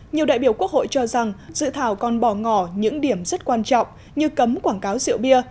nhiều đại biểu quốc hội cho rằng dự thảo còn bỏ ngỏ những điểm rất quan trọng như cấm quảng cáo rượu bia